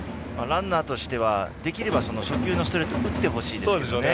ランナーとしては初球のストレート打ってほしいんですよね。